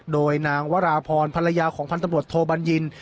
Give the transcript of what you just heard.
โดยนางวราพรภรรยาของพันธบรวจโทบัญญิน